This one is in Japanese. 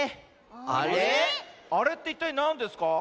あれっていったいなんですか？